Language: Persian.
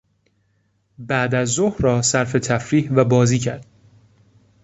بعدازظهر را صرف تفریح و بازی کرد.